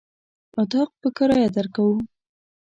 اطاق په کرايه درکوو.